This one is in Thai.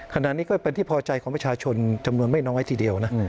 ขณะนี้ก็เป็นที่พอใจของประชาชนจำนวนไม่น้อยทีเดียวนะ